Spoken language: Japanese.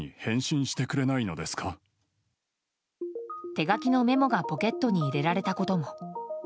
手書きのメモがポケットに入れられたことも。